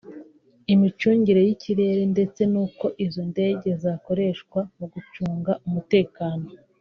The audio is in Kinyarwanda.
imicungire y’ikirere ndetse n’uko izo ndege zakoreshwa mu gucunga umutekano